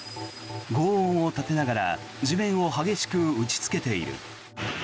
ごう音を立てながら地面を激しく打ちつけている。